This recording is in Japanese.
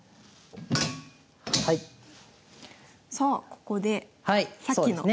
さあここでさっきの。